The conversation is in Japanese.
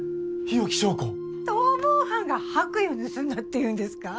逃亡犯が白衣を盗んだっていうんですか？